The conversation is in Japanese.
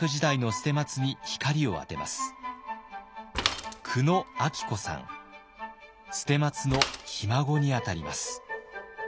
捨松のひ孫にあたります。